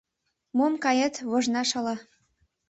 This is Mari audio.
Мом кает — вожна шала.